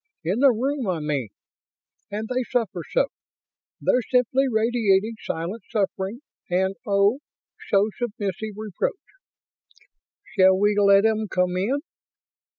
In the room, I mean. And they suffer so. They're simply radiating silent suffering and oh so submissive reproach. Shall we let 'em come in?"